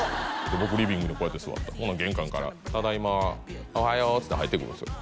僕リビングにこうやって座ってほな玄関から「ただいまおはよう」っつって入ってくるんですよ